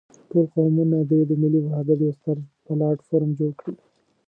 ټول قومونه دې د ملي وحدت يو ستر پلاټ فورم جوړ کړي.